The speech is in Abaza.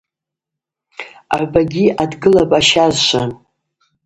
Агӏвбагьи адгылапӏ ащазшва.